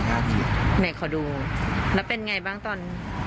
ไหนขอดูแล้วเป็นอย่างไรบ้างตอน